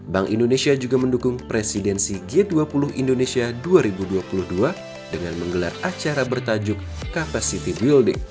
bank indonesia juga mendukung presidensi g dua puluh indonesia dua ribu dua puluh dua dengan menggelar acara bertajuk capacity building